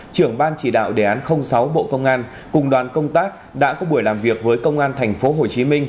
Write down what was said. trưởng ban chỉ đạo đề án sáu bộ công an cùng đoàn công tác đã có buổi làm việc với công an tp hcm